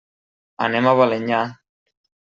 Anem a Balenyà.